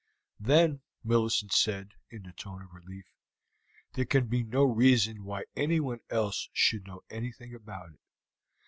"Then," Millicent said, in a tone of relief, "there can be no reason why anyone else should know anything about it.